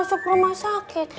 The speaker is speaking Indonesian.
masuk rumah sakit